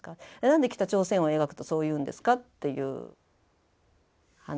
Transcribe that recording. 何で北朝鮮を描くとそう言うんですかっていう話で。